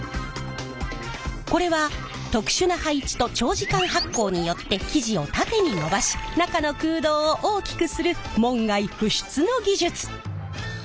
これは特殊な配置と長時間発酵によって生地を縦に伸ばし中の空洞を大きくする門外不出の技術！